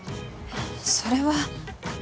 それは。